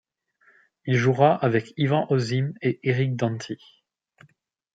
Il jouera avec Ivan Osim et Éric Danty.